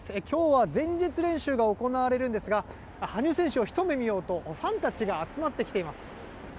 今日は前日練習が行われるんですが羽生選手をひと目見ようとファンたちが集まってきています。